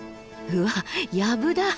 うわやぶだ。